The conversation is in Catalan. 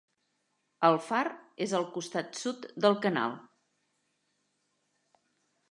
El far és al costat sud del canal.